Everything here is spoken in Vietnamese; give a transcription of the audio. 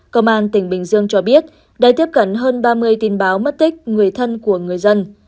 công an tỉnh bình dương cho biết đã tiếp cận hơn ba mươi tin báo mất tích người thân của người dân